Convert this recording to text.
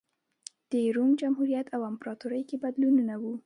د روم جمهوریت او امپراتورۍ کې بدلونونه و